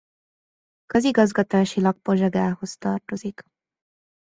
Közigazgatásilag Pozsegához tartozik.